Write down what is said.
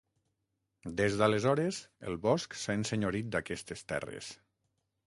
Des d'aleshores, el bosc s'ha ensenyorit d'aquestes terres.